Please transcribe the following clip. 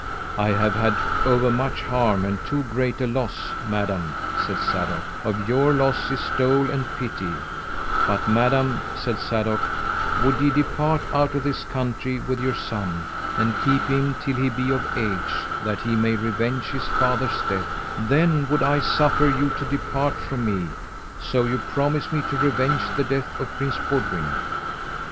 I have had overmuch harm and too great a loss. Madam, said Sadok, of your loss is dole and pity; but madam, said Sadok, would ye depart out of this country with your son, and keep him till he be of age, that he may revenge his father's death, then would I suffer you to depart from me, so you promise me to revenge the death of Prince Boudwin.